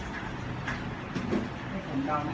แล้วก็รับตัวได้